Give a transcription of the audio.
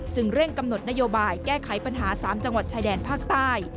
เร่งกำหนดนโยบายแก้ไขปัญหา๓จังหวัดชายแดนภาคใต้